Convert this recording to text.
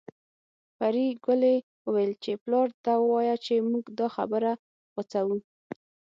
پري ګلې وويل چې پلار ته ووايه چې موږ دا خبره غوڅوو